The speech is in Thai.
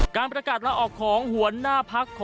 การทราบ๖๔